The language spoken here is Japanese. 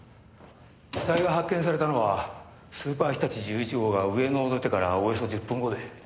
死体が発見されたのはスーパーひたち１１号が上野を出てからおよそ１０分後で。